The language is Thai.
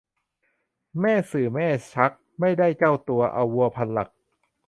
แม่สื่อแม่ชัก ไม่ได้เจ้าตัว เอาวัวพันหลัก